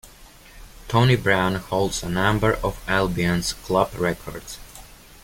Tony Brown holds a number of Albion's club records.